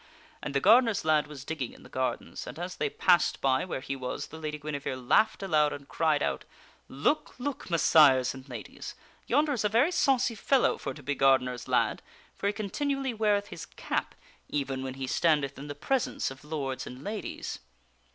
gar And the gardener's lad was digging in the gardens ; and as they passed by where he was the Lady Guinevere laughed aloud and cried out :" Look ! Look ! Messires and Ladies ! Yonder is a very saucy fellow for to be a gardener's lad, for he continually weareth his cap, even when he standeth in the presence of lords and ladies."